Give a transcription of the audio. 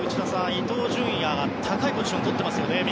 伊東純也が右サイドの高いポジションをとっていますよね。